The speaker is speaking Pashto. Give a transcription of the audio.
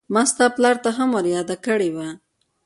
ما ستا پلار ته هم ور ياده کړې وه.